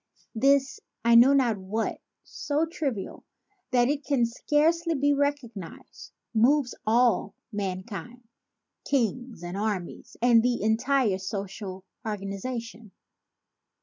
This 'I know not what* so trivial that it can scarcely be recognized, moves all mankind, kings and armies and the entire social organization.